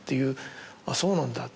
「あっそうなんだ」。